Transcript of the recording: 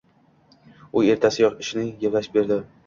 U ertasigayoq ishni gaplashib berdi.